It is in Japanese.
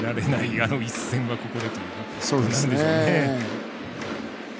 あの一戦は、ここでという感じなんでしょうね。